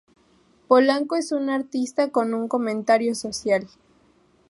Polanco es un artista con un comentario social.